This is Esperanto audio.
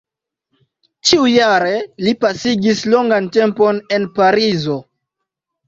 Ĉiujare li pasigis longan tempon en Parizo.